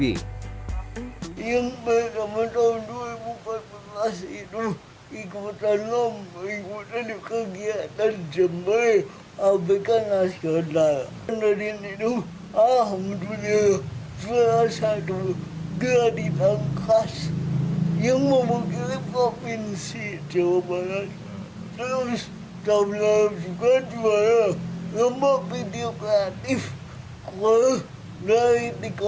dua ribu empat belas itu ikutan nomor ikutan kegiatan jember abekan nasional dan ini tuh ah